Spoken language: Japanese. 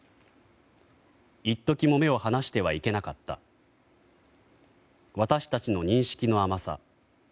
一時も目を離してはいけなかった私たちの認識の甘さ。